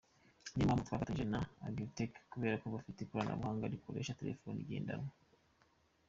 Niyo mpamvu twafatanyije na Agritech kubera ko bafite ikoranabuhanga rikoresha telefoni igendanwa.